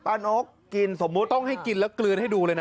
นกกินสมมุติต้องให้กินแล้วกลืนให้ดูเลยนะ